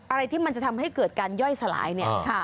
อะไรที่มันจะทำให้เกิดการย่อยสลายเนี่ย